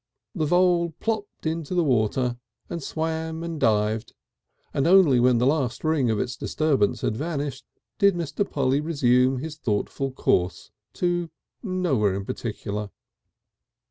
The vole plopped into the water and swam and dived and only when the last ring of its disturbance had vanished did Mr. Polly resume his thoughtful course to nowhere in particular.